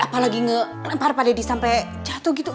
apalagi nge rempar pak deddy sampai jatuh gitu